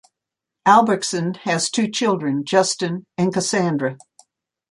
Albrechtsen has two children, Justin and Cassandra.